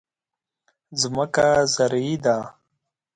ځمکه زرعي ده.